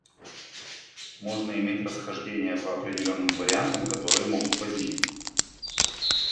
Можно иметь расхождения по определенным вариантам, которые могут возникнуть.